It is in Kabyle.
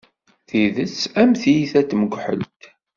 Tidet am tyita n tmekḥelt.